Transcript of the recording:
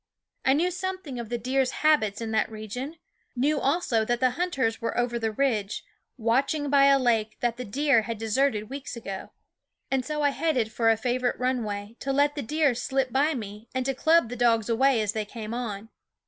I knew something of the deer's habits in that region ; knew also that the hunters were over the ridge, watching by a lake that the deer had deserted weeks ago ; and so I headed for a favorite runway, to let the deer slip by me and to club the dogs away as they came on.